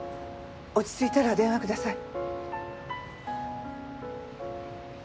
落ち着いたら電話ください。